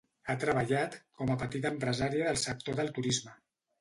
Ha treballat com a petita empresària del sector del turisme.